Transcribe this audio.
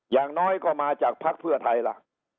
อย่างน้อยก็มาจากภักดิ์เพื่อไทยล่ะ